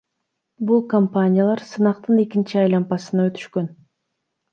Бул компаниялар сынактын экинчи айлампасына өтүшкөн.